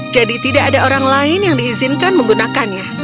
jadi tidak ada orang lain yang diizinkan menggunakannya